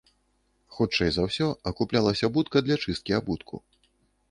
Хутчэй за ўсё акуплялася будка для чысткі абутку.